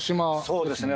そうですね